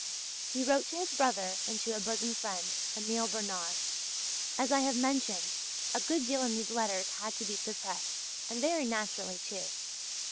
He wrote to his brother and to a bosom friend, Emile Bernard. As I have mentioned, a good deal in these letters had to be suppressed and very naturally too.